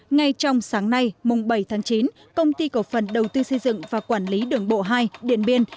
ngay trong sáng nay mùng bảy tháng chín công ty cổ phần đầu tư xây dựng và quản lý đường bộ hai điện biên